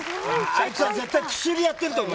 あいつは絶対薬をやってると思う。